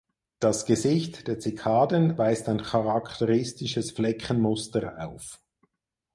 Das Gesicht der Zikaden weist ein charakteristisches Fleckenmuster auf.